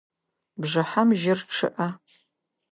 Бжыхьэм жьыр чъыӏэ.